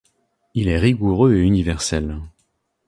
Il est rigoureux et universel.